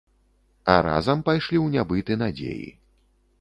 А разам пайшлі ў нябыт і надзеі.